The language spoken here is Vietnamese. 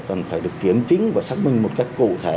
còn phải được kiểm chứng và xác minh một cách cụ thể